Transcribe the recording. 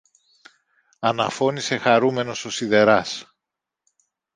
αναφώνησε χαρούμενος ο σιδεράς.